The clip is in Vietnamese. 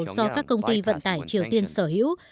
do các công ty vận tải triều tiên sở hữu